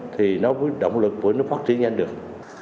thì nó mới động lực phát triển nhanh được